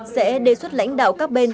sẽ đề xuất lãnh đạo các bên